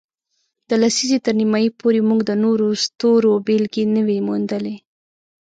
د لسیزې تر نیمایي پورې، موږ د نورو ستورو بېلګې نه وې موندلې.